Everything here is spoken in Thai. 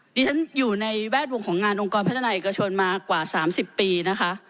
ดิฉันอยู่ในแวดวงของงานองค์กรพัฒนาเอกชนมากว่า๓๐ปีนะคะ